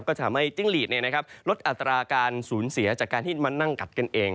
ก็จะทำให้จิ้งหลีดลดอัตราการสูญเสียจากการที่มานั่งกัดกันเอง